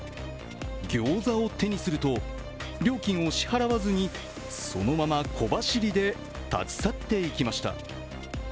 ギョーザを手にすると料金を支払わずにそのまま小走りで立ち去っていきました。